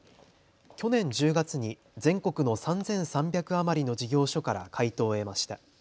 去年１０月に全国の３３００余りの事業所から回答を得ました。